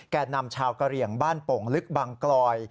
แก่นำชาวกะเรียงบ้านโป่งลึกบังกลอย